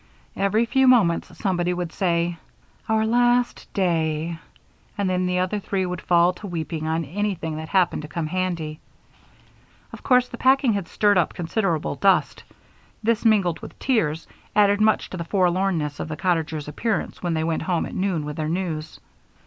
Every few moments somebody would say: "Our last day," and then the other three would fall to weeping on anything that happened to come handy. Of course the packing had stirred up considerable dust; this, mingled with tears, added much to the forlornness of the cottagers' appearance when they went home at noon with their news.